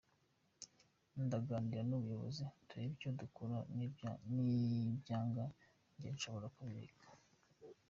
Ndaganira n’ubuyobozi turebe icyo gukora nibyanga njye nshobora kubireka.